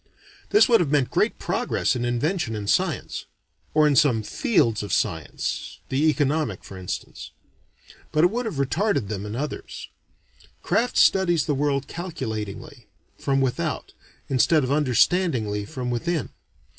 This would have meant great progress in invention and science or in some fields of science, the economic for instance. But it would have retarded them in others. Craft studies the world calculatingly, from without, instead of understandingly from within.